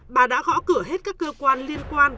bà đã gõ cửa hết các cơ quan liên quan